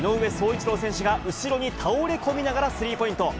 いちろう選手が後ろに倒れ込みながらスリーポイント。